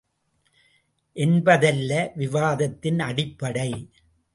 என்பதல்ல விவாதத்தின் அடிப்படை!